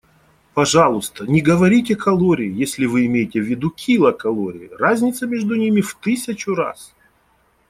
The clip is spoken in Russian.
Пожалуйста, не говорите «калории», если вы имеете в виду «килокалории», разница между ними в тысячу раз.